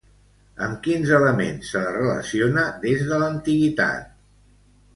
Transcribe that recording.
Amb quins elements se la relaciona des de l'antiguitat?